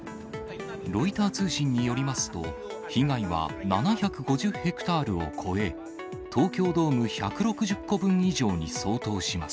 ロイター通信によりますと、被害は７５０ヘクタールを超え、東京ドーム１６０個分以上に相当します。